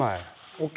ＯＫ